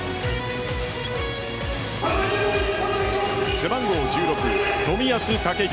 背番号１６・冨安健洋